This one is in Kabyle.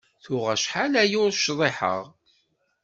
Tuɣ acḥal-aya ur cḍiḥeɣ.